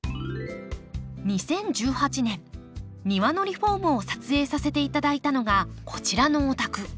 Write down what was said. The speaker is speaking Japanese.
２０１８年庭のリフォームを撮影させて頂いたのがこちらのお宅。